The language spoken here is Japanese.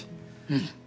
うん！